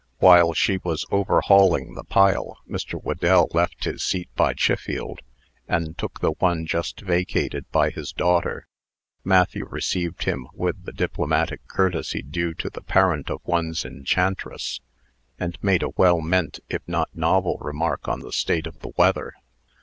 While she was overhauling the pile, Mr. Whedell left his seat by Chiffield, and took the one just vacated by his daughter. Matthew received him with the diplomatic courtesy due to the parent of one's enchantress, and made a well meant if not novel remark on the state of the weather.